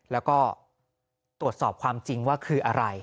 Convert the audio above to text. แล้วก็ตรวจสอบความจริงว่าคืออะไร